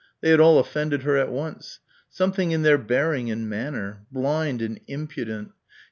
They had all offended her at once. Something in their bearing and manner.... Blind and impudent....